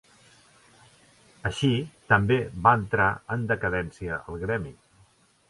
Així, també va entrar en decadència el gremi.